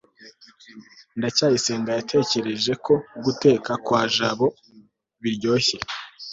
ndacyayisenga yatekereje ko guteka kwa jabo biryoshye